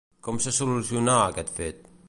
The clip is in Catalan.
Com se solucionà aquest fet?